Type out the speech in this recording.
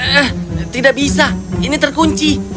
eh eh eh tidak bisa ini terkunci